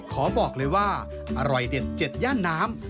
ขอบอกเลยว่าอร่อยเด็ดเจ็ดย่านน้ำ